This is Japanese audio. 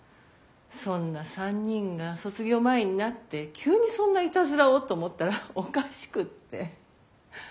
そんな３人が卒業前になって急にそんなイタズラをと思ったらおかしくって。